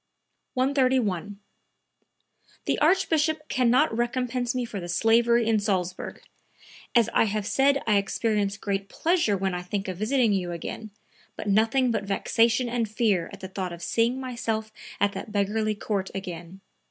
131. "The Archbishop can not recompense me for the slavery in Salzburg! As I have said I experience great pleasure when I think of visiting you again, but nothing but vexation and fear at the thought of seeing myself at that beggarly court again.